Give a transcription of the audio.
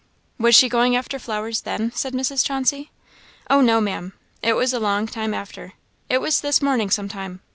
"Was she going after flowers then?" said Mrs. Chauncey. "Oh, no, Ma'am it was a long time after; it was this morning some time.